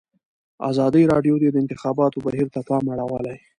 ازادي راډیو د د انتخاباتو بهیر ته پام اړولی.